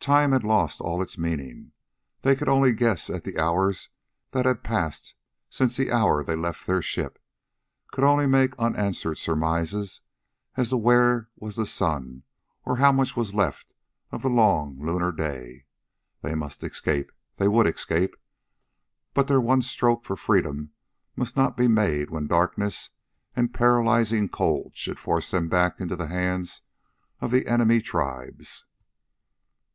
Time had lost all its meaning. They could only guess at the hours that had passed since the hour they left their ship, could only make unanswered surmises as to where was the sun or how much was left of the long lunar day. They must escape they would escape but their one stroke for freedom must not be made when darkness and paralyzing cold should force them back into the hands of the enemy tribes.